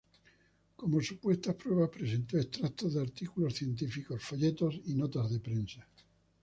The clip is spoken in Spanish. Como supuestas pruebas presentó extractos de artículos científicos, folletos y notas de prensa.